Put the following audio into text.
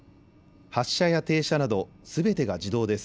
発車や停車などすべてが自動です。